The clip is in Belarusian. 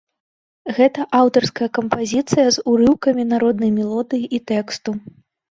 Гэта аўтарская кампазіцыя з урыўкамі народнай мелодыі і тэксту.